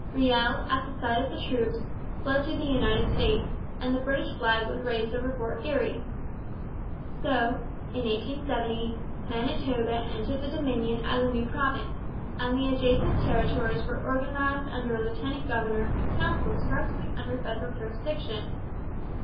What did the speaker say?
Riel, at the sight of the troops, fled to the United States, and the British flag was raised over Fort Garry. So, in 1870, Manitoba entered the Dominion as a new province, and the adjacent territories were organized under a lieutenant governor and council directly under federal jurisdiction.